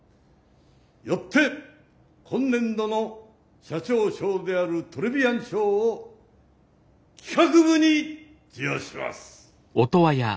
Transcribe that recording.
よって今年度の社長賞であるトレビアン賞を企画部に授与します。